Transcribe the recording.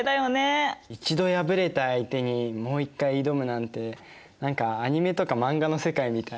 １度敗れた相手にもう一回挑むなんて何かアニメとか漫画の世界みたい。